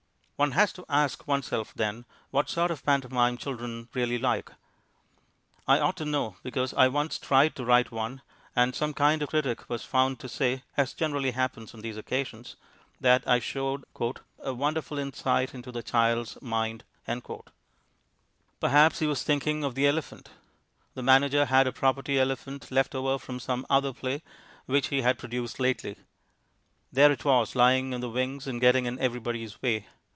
One has to ask oneself, then, what sort of pantomime children really like. I ought to know, because I once tried to write one, and some kind critic was found to say (as generally happens on these occasions) that I showed "a wonderful insight into the child's mind." Perhaps he was thinking of the elephant. The manager had a property elephant left over from some other play which he had produced lately. There it was, lying in the wings and getting in everybody's way.